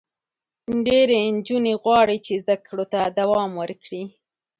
ډېری نجونې غواړي چې زده کړو ته دوام ورکړي.